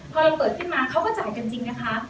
พอเราเปิดขึ้นมาเขาก็จ่ายกันจริงนะคะ